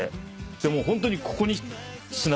でもうホントにここに砂場があって。